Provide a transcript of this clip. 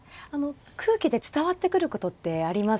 空気で伝わってくることってありますよね。